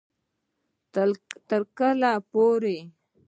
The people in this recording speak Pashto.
تر کله پورې